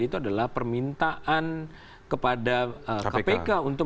itu adalah permintaan kepada kpk untuk